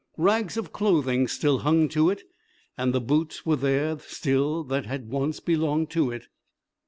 Rags of clothing still hung to it and the boots were there still that had once belonged to it.